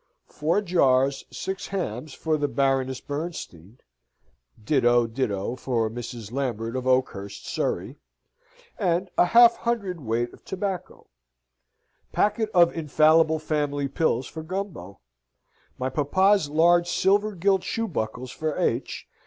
4 jars, 6 hams for the Baroness Bernstein, ditto ditto for Mrs. Lambert of Oakhurst, Surrey, and 1/2 cwt. tobacco. Packet of Infallible Family Pills for Gumbo. My Papa's large silver gilt shoe buckles for H.